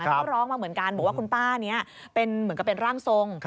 เขาร้องมาเหมือนกันบอกว่าคุณป้านี้เป็นร่างทรง